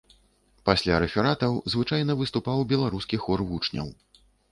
Пасля рэфератаў звычайна выступаў беларускі хор вучняў.